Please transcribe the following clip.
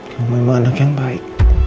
kamu memang anak yang baik